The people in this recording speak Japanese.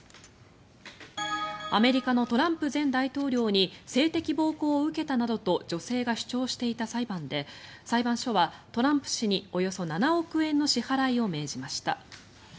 アメリカのトランプ前大統領に性的暴行を受けたなどと女性が主張していた裁判で裁判所はトランプ氏におよそ７億円の支払いを命じました。